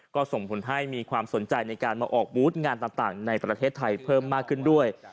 ก็ส่งผลให้มีความสนใจในการมาออกบูธงานต่างในประเทศไทยเพิ่มมากขึ้นด้วย